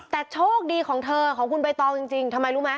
แต่โชคดีของเธอของคุณใบตองจริงทำไมรู้ไหม